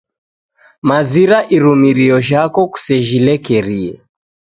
Mazira irumirio jhako, kusejhilekere